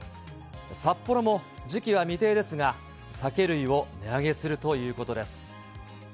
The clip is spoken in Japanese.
サッポロも時期は未定ですが、酒類を値上げするということです。